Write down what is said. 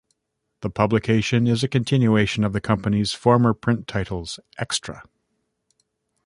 The publication is a continuation of the company's former print titles Xtra!